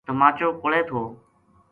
تماچو کولے تھو۔